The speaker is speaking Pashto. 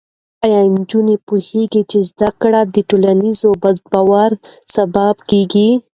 ایا نجونې پوهېږي چې زده کړه د ټولنیز باور سبب کېږي؟